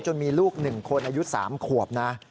จนมีลูกหนึ่งคนอายุสามขวบนะ